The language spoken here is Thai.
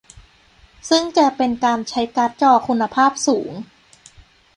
ซึ่งจะเป็นการใช้การ์ดจอคุณภาพสูง